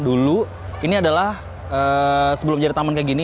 dulu ini adalah sebelum jadi taman kayak gini